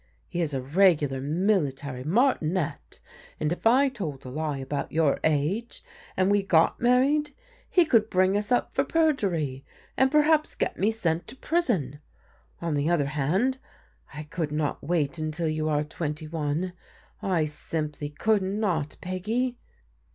He is a regular military martinet, and if I told a lie about your age and we got married he could bring us up for perjury, and perhaps get me sent to prison. On the other hand I could not wait until you are twenty one, I simply could not, Peggy."